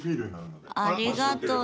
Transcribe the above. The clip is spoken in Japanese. ありがとね。